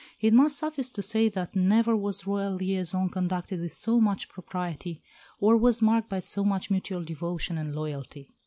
It must suffice to say that never was Royal liaison conducted with so much propriety, or was marked by so much mutual devotion and loyalty.